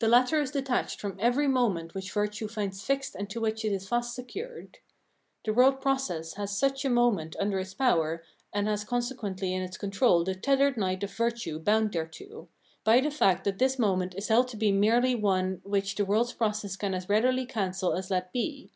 The latter is detached from every moment which virtue finds fixed and to which it is fast secured. The world process has such a moment under its power and has consequently in its control the tethered knight of virtue bound thereto, by the fact that this moment is held to be merely one which the world's process can as readily cancel as let be.